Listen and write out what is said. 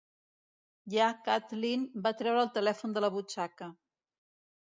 Lla Kathleen va treure el telèfon de la butxaca.